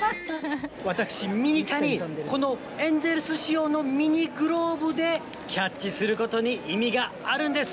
私、ミニタニ、このエンゼルス仕様のミニグローブで、キャッチすることに意味があるんです。